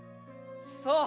そう！